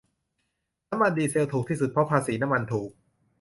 น้ำมันดีเซลถูกที่สุดเพราะภาษีน้ำมันถูก